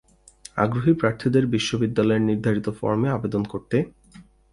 আগ্রহী প্রার্থীদের বিশ্ববিদ্যালয়ের নির্ধারিত ফরমে আবেদন করতে...